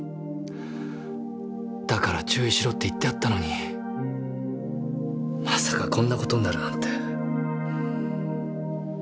だから注意しろって言ってあったのにまさかこんな事になるなんて。